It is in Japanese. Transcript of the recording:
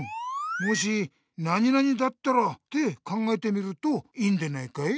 「もしだったら？」って考えてみるといいんでないかい？